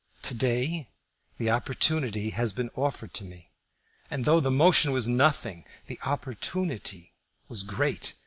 To day the opportunity has been offered to me, and, though the motion was nothing, the opportunity was great.